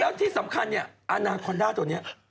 แล้วที่สำคัญเนี่ยอาณาคอนด้าตัวนี้